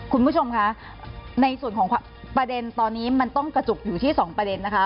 คุณผู้ชมคะในส่วนของประเด็นตอนนี้มันต้องกระจุกอยู่ที่๒ประเด็นนะคะ